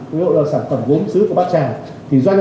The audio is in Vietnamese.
ví dụ là sản phẩm gốm sứ của bác trang